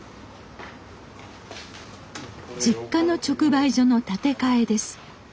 実家の直売所の建て替えです。